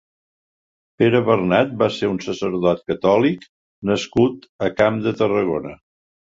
Pere Bernat va ser un sacerdot catòlic nascut a Camp de Tarragona.